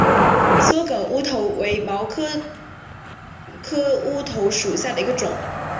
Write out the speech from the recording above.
缩梗乌头为毛茛科乌头属下的一个种。